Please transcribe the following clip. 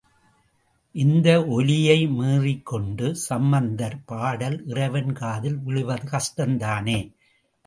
இந்த ஒலியை மீறிக்கொண்டு சம்பந்தர் பாடல் இறைவன் காதில் விழுவது கஷ்டத்தானே.